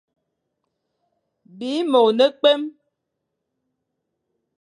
Bî môr ne-kwém.